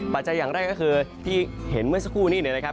อย่างแรกก็คือที่เห็นเมื่อสักครู่นี้นะครับ